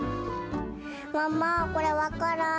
ママ、これは分からん。